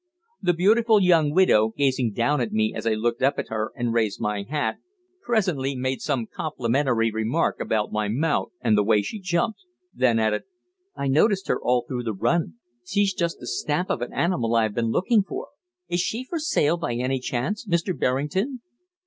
The beautiful young widow, gazing down at me as I looked up at her and raised my hat, presently made some complimentary remark about my mount and the way she jumped, then added: "I noticed her all through the run she's just the stamp of animal I have been looking for. Is she for sale, by any chance, Mr. Berrington?"